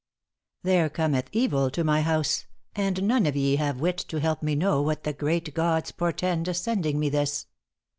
* There cometh evil to my house, And none of ye have wit to help me know _What the great gods portend sending me this.